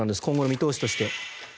今後の見通しとして。